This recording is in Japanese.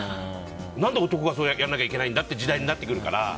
何で男がそれをやらなきゃいけないんだっていう時代になってくるから。